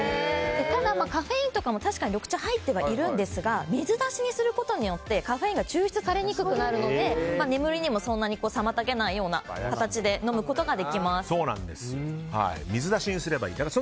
ただ、カフェインも確かに緑茶は入ってはいるんですが水出しすることによってカフェインが抽出されにくくなるので眠りにもそんなに妨げないような形で水出しにすればいいです。